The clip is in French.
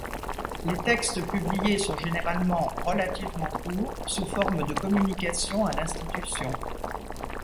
Les textes publiés sont généralement relativement courts, sous forme de communications à l'institution.